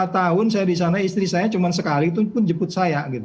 lima tahun saya di sana istri saya cuma sekali itu pun jemput saya gitu